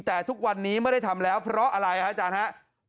แต่ทุกวันนี้ไม่ได้ทำแล้วเพราะอะไรฮะอาจารย์ฮะ